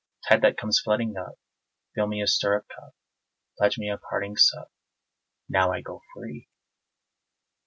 Tide that comes flooding up, Fill me a stirrup cup, Pledge me a parting sup, Now I go free.